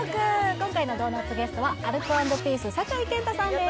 今回のドーナツゲストはアルコ＆ピース酒井健太さんです